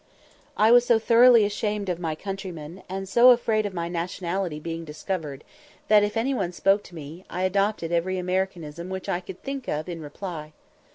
I was so thoroughly ashamed of my countryman, and so afraid of my nationality being discovered, that, if any one spoke to me, I adopted every Americanism which I could think of in reply.